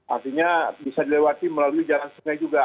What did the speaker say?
artinya bisa dilewati melalui jalan sungai juga